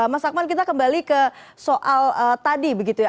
mas akman kita kembali ke soal tadi begitu ya